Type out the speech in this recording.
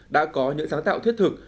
đã có những sáng tạo thiết thực